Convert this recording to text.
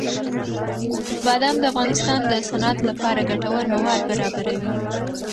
بادام د افغانستان د صنعت لپاره ګټور مواد برابروي.